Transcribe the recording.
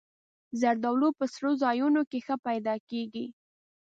زردالو په سړو ځایونو کې ښه پیدا کېږي.